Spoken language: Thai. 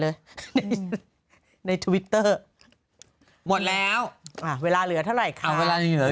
เลยในทวิตเตอร์หมดแล้วอ่ะเวลาเหลือเท่าไรค่ะเวลาเหลือ